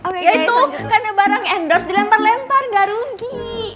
ya itu kan ada barang endorse dilempar lempar gak rugi